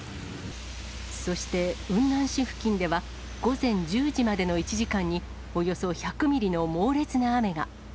そして雲南市付近では、午前１０時までの１時間に、およそ１００ミリの猛烈な雨が。